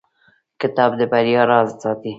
کتاب د بریا راز ساتي.